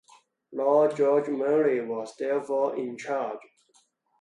Lord George Murray was therefore in charge.